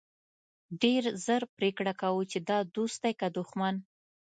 ډېر ژر پرېکړه کوو چې دا دوست دی که دښمن.